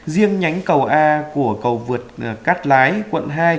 riêng nhánh cầu a của cầu vượt cát lái quận hai